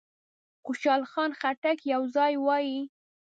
خوشحال خټک یو ځای وایي.